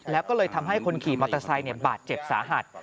แล้วก็เลยทำให้คนขี่มอเตอร์ไซค์บาดเจ็บสาหัส